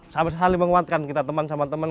sampai saling menguatkan kita teman teman